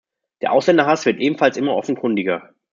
Der Ausländerhass wird ebenfalls immer offenkundiger.